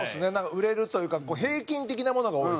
売れるというか平均的なものが多いですね。